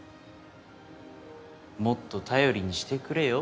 もっと頼りにしてくれよ。